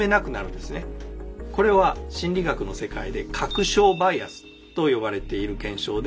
これは心理学の世界で「確証バイアス」と呼ばれている現象で。